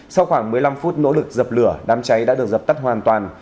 sau khoảng một mươi năm phút nỗ lực dập lửa đám cháy đã được dập tắt hoàn toàn